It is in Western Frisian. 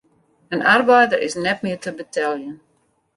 In arbeider is net mear te beteljen.